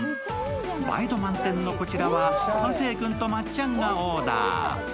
映え度満点のこちらは亜生君とまっちゃんがオーダー。